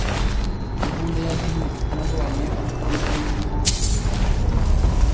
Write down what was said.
Imbunda yazimye gitunguranye ubwo narimo kuyisukura